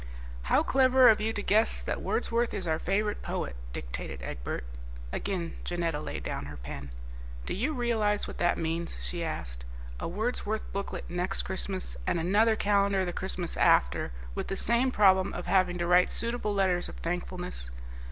"'How clever of you to guess that Wordsworth is our favourite poet,'" dictated Egbert. Again Janetta laid down her pen. "Do you realise what that means?" she asked; "a Wordsworth booklet next Christmas, and another calendar the Christmas after, with the same problem of having to write suitable letters of thankfulness.